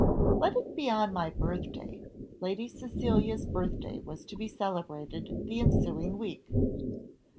"Let it be on my birthday." Lady Cecilia's birth day was to be celebrated the ensuing week.